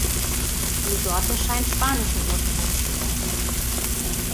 Die Sorte scheint spanischen Ursprungs zu sein.